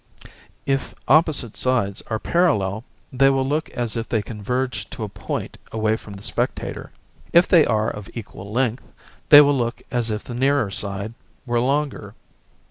If opposite sides are parallel, they will look as if they converged to a point away from the spectator; if they are of equal length, they will look as if the nearer side were longer.